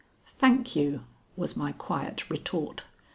"Thank you," was my quiet retort.